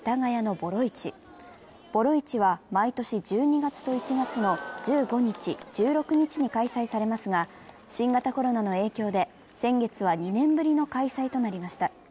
ボロ市は、毎年１２月と１月の１５日、１６日に開催されますが、新型コロナの影響で先月は２年ぶりの開催となりました。